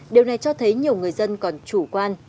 điều này cho thấy nhiều người dân còn chủ quan